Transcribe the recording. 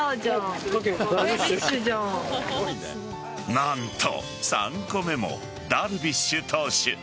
何と３個目もダルビッシュ投手。